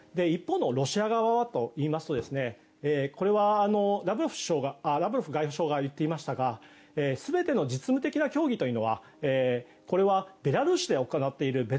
一方のロシア側はといいますとこれはラブロフ外相が言っていましたが全ての実務的な協議というのはベラルーシで行っている。